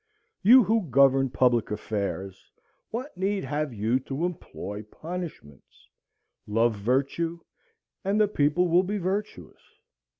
"You who govern public affairs, what need have you to employ punishments? Love virtue, and the people will be virtuous.